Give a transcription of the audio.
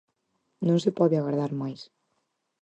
Non se pode agardar máis.